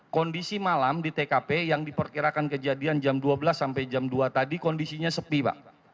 kondisi malam di tkp yang diperkirakan kejadian jam dua belas sampai jam dua tadi kondisinya sepi pak